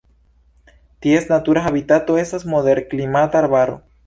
Ties natura habitato estas moderklimata arbaro.